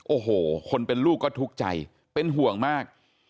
โอ้โหคนเป็นลูกก็ทุกข์ใจเป็นห่วงมาก